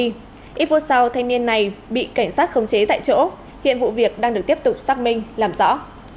ít phút sau thanh niên này bị cảnh sát khống chế tại chỗ hiện vụ việc đang được tiếp tục xác minh làm rõ